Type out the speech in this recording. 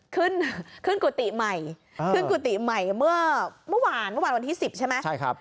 ขึ้นกุฏิใหม่เมื่อเมื่อวานวันที่๑๐ใช่ไหม